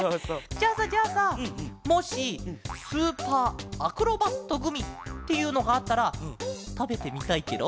じゃあさじゃあさもしスーパーアクロバットグミっていうのがあったらたべてみたいケロ？